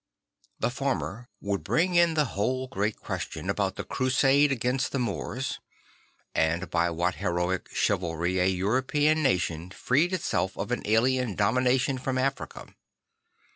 The former would bring in the whole great question about the Crusade against the Moors; and by what heroic chivalry a European nation freed itself of an alien domination from Africa.